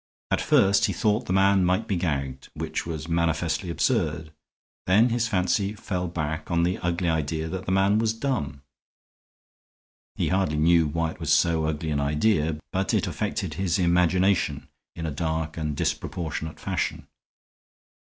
At first he thought the man might be gagged, which was manifestly absurd. Then his fancy fell back on the ugly idea that the man was dumb. He hardly knew why it was so ugly an idea, but it affected his imagination in a dark and disproportionate fashion.